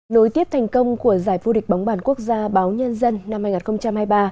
đối tiếp thành công của giải vô địch bóng bàn quốc gia báo nhân dân năm hai nghìn hai mươi ba